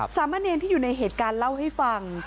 สามะเนรที่อยู่ในเหตุการณ์เล่าให้ฟัง